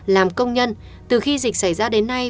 làm công nhân từ khi dịch xảy ra đến nay